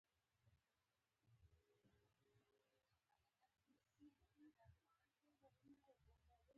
مریان په سترو کروندو کې کارونو ته وګومارل شول.